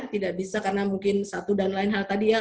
tidak bisa karena mungkin satu dan lain hal tadi ya